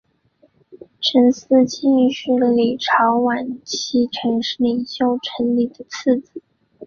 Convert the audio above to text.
陈嗣庆是李朝晚期陈氏领袖陈李的次子。